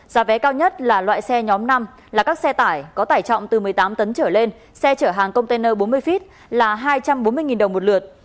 giá vé cao nhất là loại xe nhóm năm là các xe tải có tải trọng từ một mươi tám tấn trở lên xe chở hàng container bốn mươi feet là hai trăm bốn mươi đồng một lượt